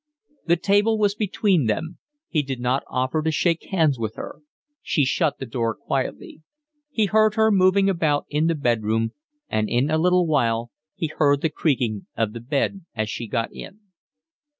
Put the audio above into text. The table was between them. He did not offer to shake hands with her. She shut the door quietly. He heard her moving about in the bed room, and in a little while he heard the creaking of the bed as she got in.